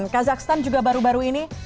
kazakhstan juga baru baru ini